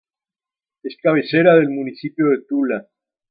Es cabecera del municipio de Tula.